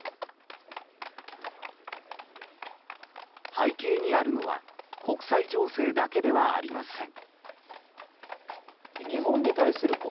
背景にあるのは国際情勢だけではありません。